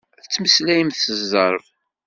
Tettmeslayemt s zzerb.